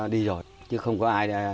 đi rồi chứ không có ai